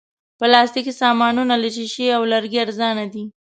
پلاستيکي سامانونه له شیشې او لرګي ارزانه دي.